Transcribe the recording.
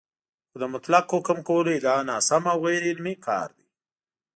خو د مطلق حکم کولو ادعا ناسم او غیرعلمي کار دی